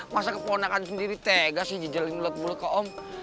masa kepondakan sendiri tegas sih jejelin ulet bulu ke om